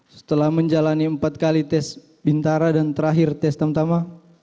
setelah menjalani empat kali tes bintara dan terakhir tes tamtama